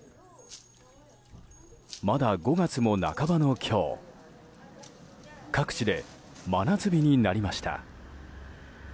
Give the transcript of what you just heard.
まだ５月も半ばの今日各地で真夏日になりました。